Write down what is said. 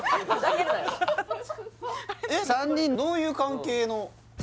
３人どういう関係の？